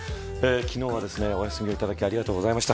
昨日はお休みをいただきありがとうございました。